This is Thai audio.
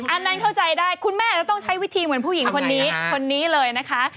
อันนั้นเข้าใจได้คุณแม่จะต้องใช้วิธีเหมือนผู้หญิงคนนี้คนนี้เลยนะคะ